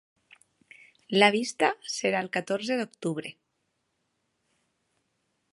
La vista serà el catorze d’octubre.